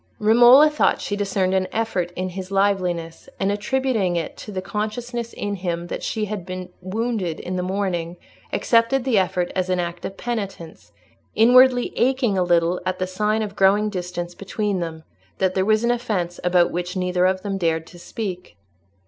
Romola thought she discerned an effort in his liveliness, and attributing it to the consciousness in him that she had been wounded in the morning, accepted the effort as an act of penitence, inwardly aching a little at that sign of growing distance between them—that there was an offence about which neither of them dared to speak.